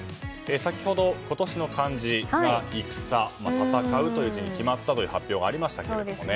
先ほど今年の漢字が「戦」戦うという字に決まったという発表がありましたけれども。